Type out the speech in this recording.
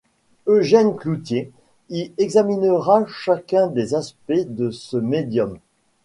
Eugène Cloutier y examinera chacun des aspects de ce médium.